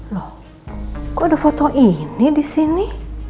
loh kok ada foto ini disini